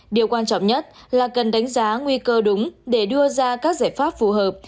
điều quan trọng nhất là cần đánh giá nguy cơ đúng để đưa ra các giải pháp phù hợp